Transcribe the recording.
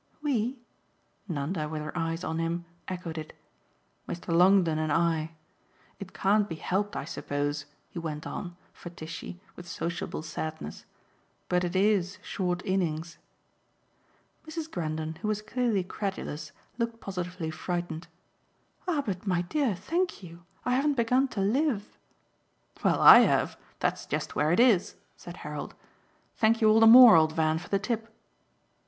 "'We'?" Nanda, with her eyes on him, echoed it. "Mr. Longdon and I. It can't be helped, I suppose," he went on, for Tishy, with sociable sadness, "but it IS short innings." Mrs. Grendon, who was clearly credulous, looked positively frightened. "Ah but, my dear, thank you! I haven't begun to LIVE." "Well, I have that's just where it is," said Harold. "Thank you all the more, old Van, for the tip."